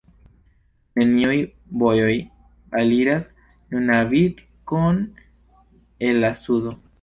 Neniuj vojoj aliras Nunavik-on el la sudo.